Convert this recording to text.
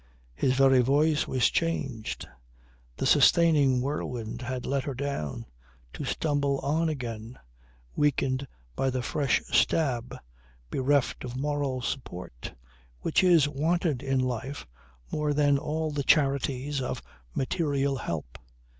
His very voice was changed. The sustaining whirlwind had let her down, to stumble on again, weakened by the fresh stab, bereft of moral support which is wanted in life more than all the charities of material help.